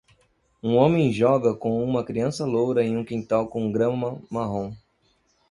Um homem joga com uma criança loura em um quintal com grama marrom.